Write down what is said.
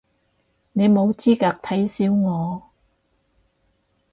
你冇資格睇小我